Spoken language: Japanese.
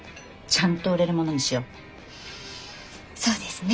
そうですね。